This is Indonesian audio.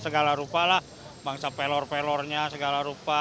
segala rupalah bangsa pelor pelornya segala rupa